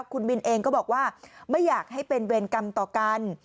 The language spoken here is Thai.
คุณบินเองก็บอกว่าไม่อยากให้เป็นเวรกรรมต่อกัน